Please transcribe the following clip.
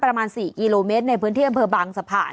ประมาณ๔กิโลเมตรในพื้นที่อำเภอบางสะพาน